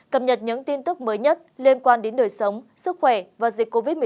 cập nhật những tin tức mới nhất liên quan đến đời sống sức khỏe và dịch covid một mươi chín